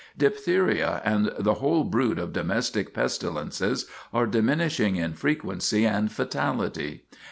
Diphtheria and the whole brood of domestic pestilences are diminishing in frequency and fatality.